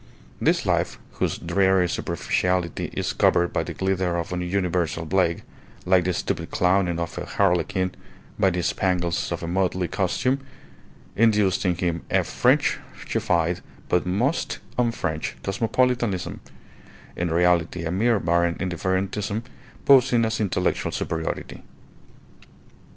This life, whose dreary superficiality is covered by the glitter of universal blague, like the stupid clowning of a harlequin by the spangles of a motley costume, induced in him a Frenchified but most un French cosmopolitanism, in reality a mere barren indifferentism posing as intellectual superiority.